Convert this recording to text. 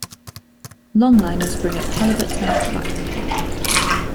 Longliners bring up halibut and black cod.